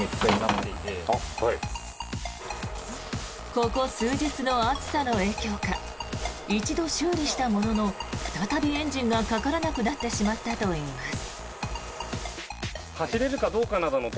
ここ数日の暑さの影響か一度、修理したものの再びエンジンがかからなくなってしまったといいます。